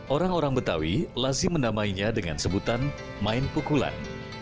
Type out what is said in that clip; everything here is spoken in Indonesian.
orang orang betawi lazim menamainya dengan sebutan main pukulan